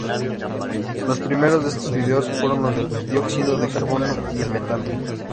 Los primeros de estos vídeos fueron los del dióxido de carbono y el metano.